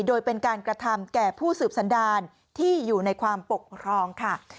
โดยเป็นการกระทำแก่ผู้สืบสันดารที่อยู่ในความปกครองค่ะ